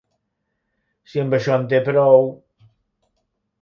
Si amb això en té prou...